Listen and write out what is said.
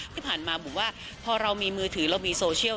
ที่ผ่านมาบุ๋มว่าพอเรามีมือถือเรามีโซเชียล